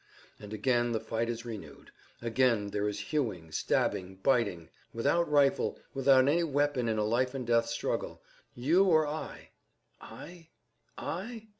And again the fight is renewed; again there is hewing, stabbing, biting. Without rifle, without any weapon in a life and death struggle. You or I. I?